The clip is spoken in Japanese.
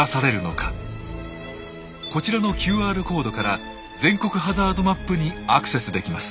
こちらのＱＲコードから全国ハザードマップにアクセスできます。